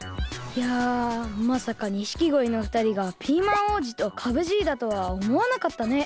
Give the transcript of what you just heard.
いやまさか錦鯉のふたりがピーマン王子とかぶじいだとはおもわなかったね。